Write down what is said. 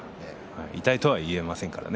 痛いとは言えませんからね。